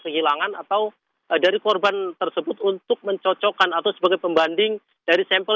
kehilangan atau dari korban tersebut untuk mencocokkan atau sebagai pembanding dari sampel